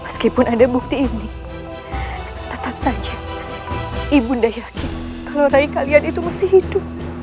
meskipun ada bukti ini tetap saja ibunda yakin kalau rai kalian itu masih hidup